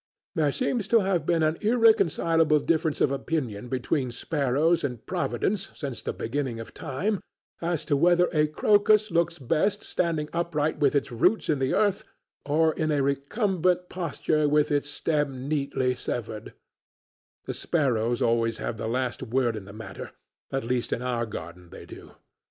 There seems to have been an irreconcilable difference of opinion between sparrows and Providence since the beginning of time as to whether a crocus looks best standing upright with its roots in the earth or in a recumbent posture with its stem neatly severed; the sparrows always have the last word in the matter, at least in our garden they do.